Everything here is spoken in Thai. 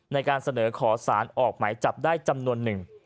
ในการเสนอขอสารออกหมายจับได้จำนวนหนึ่ง